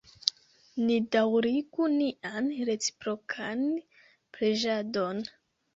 Ni daŭrigu nian reciprokan preĝadon.